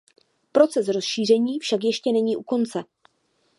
Proces rozšíření však ještě není u konce.